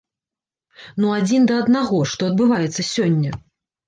Ну адзін да аднаго, што адбываецца сёння.